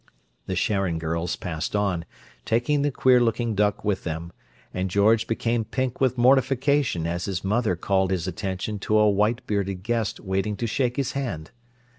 The Sharon girls passed on, taking the queer looking duck with them, and George became pink with mortification as his mother called his attention to a white bearded guest waiting to shake his hand.